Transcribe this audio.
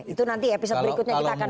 itu nanti episode berikutnya kita akan